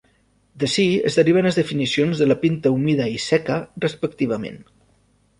D'ací es deriven les definicions de la pinta humida i seca, respectivament.